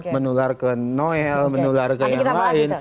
menular ke noel menular ke yang lain